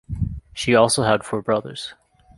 She also had four brothers.